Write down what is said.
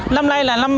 năm nay là năm